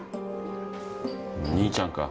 ・兄ちゃんか？